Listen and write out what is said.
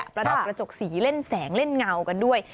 ระดับกระจกสีเล่นแสงเล่นเงากันด้วย